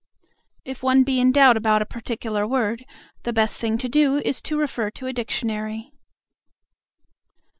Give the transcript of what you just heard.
If one be in doubt about a particular word, the best thing to do is to refer to a dictionary.